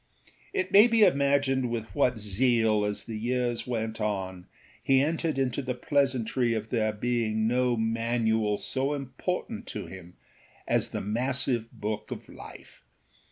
It may be imagined with what zeal, as the years went on, he entered into the pleasantry of there being no manual so important to him as the massive book of life.